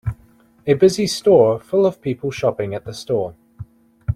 A busy store full of people shopping at the store.